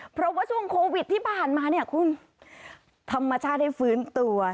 เพราะว่าช่วงโควิดที่ผ่านมาเนี่ยคุณธรรมชาติได้ฟื้นตัว